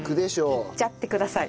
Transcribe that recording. いっちゃってください。